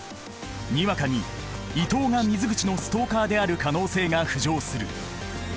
にわかに伊藤が水口のストーカーである可能性が浮上する。